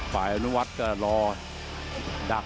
ปลายแบบนั้นวัดก็รอดัด